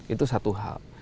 itu satu hal